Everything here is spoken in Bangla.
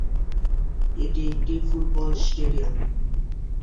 এটি একটি ফুটবলস্টেডিয়াম।